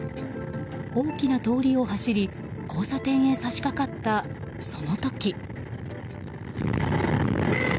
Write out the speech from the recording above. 大きな通りを走り交差点へ差し掛かった、その時。